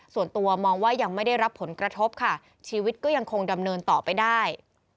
ส่วนตัวมองว่ายังไม่ได้รับผลกระทบค่ะชีวิตก็ยังคงดำเนินต่อไปได้